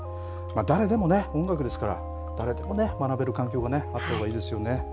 誰でもね、音楽ですから、誰でもね、学べる環境がね、あったほうがいいですよね。